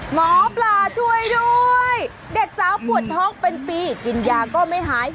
หมอปลาช่วยด้วยเด็กสาวปวดท้องเป็นปีกินยาก็ไม่หาย